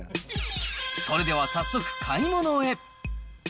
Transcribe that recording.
それでは早速、買い物へ。